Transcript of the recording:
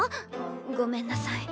ごめんなさい。